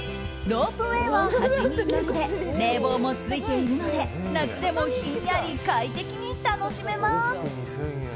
ロープウェーは８人乗りで冷房もついているので夏でもひんやり快適に楽しめます。